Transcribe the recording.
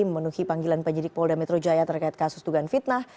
memenuhi panggilan penyidik polda metro jaya terkait kasus dugaan fitnah